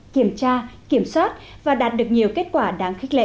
kiểm tra kiểm soát và đạt được nhiều kết quả đáng khích lệ